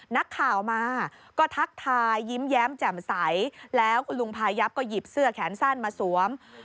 นักข่าวมาก็ทักทายยิ้มแย้มแจ่มใสแล้วคุณลุงพายับก็หยิบเสื้อแขนสั้นมาสวม